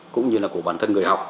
cũng như là của bản thân người học